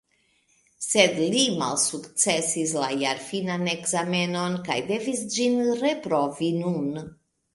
Sed li malsukcesis la jarfinan ekzamenon kaj devis ĝin reprovi nun.